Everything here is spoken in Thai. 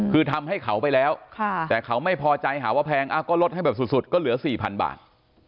คือทำให้เขาไปแล้วแต่เขาไม่พอใจหาว่าแพงก็ลดให้แบบสุดก็เหลือ๔๐๐๐บาท